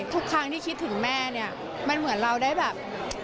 ทุกครั้งที่คิดถึงแม่เนี่ยมันเหมือนเราได้แบบ